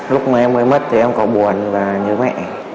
lúc mà em mới mất thì em có buồn và nhớ mẹ